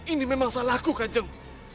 ini memang salahku kanjeng